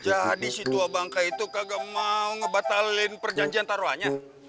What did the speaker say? jadi si tua bangka itu kagak mau ngebatalin perjanjian taruanya